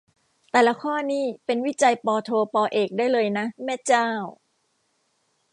แต่ละข้อนี่เป็นวิจัยปโท ปเอกได้เลยนะ แม่เจ้า